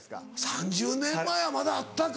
３０年前はまだあったか。